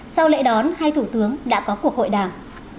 sau lễ đón hai thủ tướng đã có cuộc hội đàm